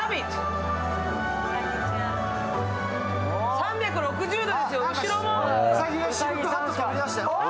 ３６０度ですよ、後ろも。